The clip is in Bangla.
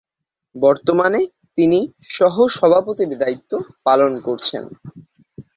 বর্তমানে তিনি সহ-সভাপতির দায়িত্ব পালন কবছেন।